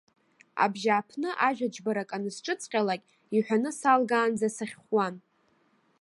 Абжьааԥны ажәа џьбарак анысҿыҵҟьалак, иҳәаны салгаанӡа сахьхәуан.